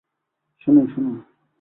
শুনুন, শুনুন।